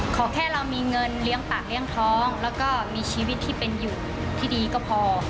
แค่เรามีเงินเลี้ยงปากเลี้ยงท้องแล้วก็มีชีวิตที่เป็นอยู่ที่ดีก็พอ